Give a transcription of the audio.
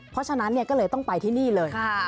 เพราะฉะนั้นก็เลยต้องไปที่นี่เลย